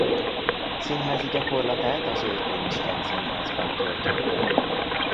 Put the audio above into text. Színházi gyakorlatát az Örkény István Színházban töltötte.